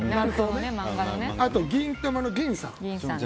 あと、「銀魂」の銀さん。